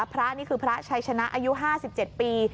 พระนี่คือพระชัยชนะอายุ๕๗ปี